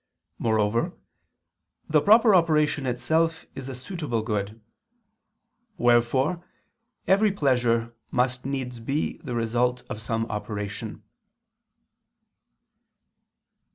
Moreover, the proper operation itself is a suitable good. Wherefore every pleasure must needs be the result of some operation.